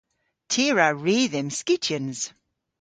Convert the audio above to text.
Ty a wra ri dhymm skityans.